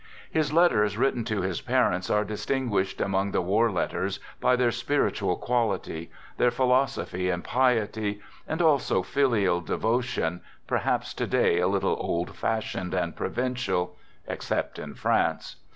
His letters written to his parents are distinguished among the war letters by their spiritual quality : their philosophy and piety, and also filial devotion, per haps to day a little old fashioned and provincial — except in France.